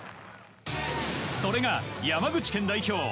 それが山口県代表